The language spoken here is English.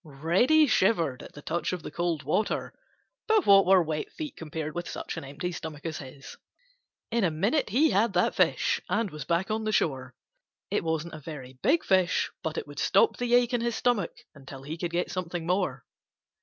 Reddy shivered at the touch of the cold water, but what were wet feet compared with such an empty stomach as his? In a minute he had that fish and was back on the shore. It wasn't a very big fish, but it would stop the ache in his stomach until he could get something more.